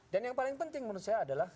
dan yang paling penting menurut saya adalah